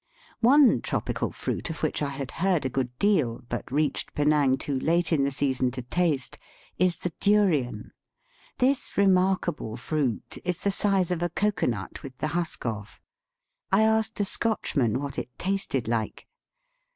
One tropical fruit of which I had heard a good deal, but reached Penang too late in the season to taste, is the durian. This re markable fruit is the size of a cocoa nut with the husk off. I asked a Scotchmen what it tasted like.